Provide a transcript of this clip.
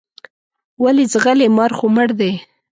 ولې ځغلې مار خو مړ دی.